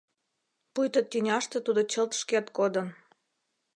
Пуйто тӱняште тудо чылт шкет кодын.